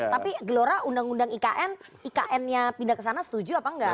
tapi gelora undang undang ikn iknnya pindah kesana setuju apa enggak